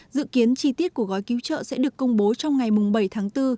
dự kiến chi tiết của gói cứu trợ sẽ được công bố trong ngày bảy tháng bốn